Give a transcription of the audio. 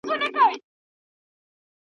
په خپل كور كي يې لرمه مثالونه.